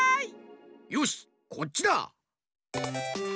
よしこっちだ！